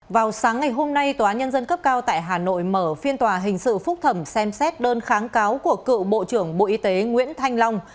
vào sáng ngày hôm nay tòa nhân dân cấp cao tại hà nội mở phiên tòa hình sự phúc thẩm xem xét đơn kháng cáo của cựu bộ trưởng bộ y tế nguyễn thanh long